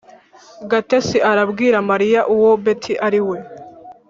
gatesi arabwira mariya uwo betty ari we.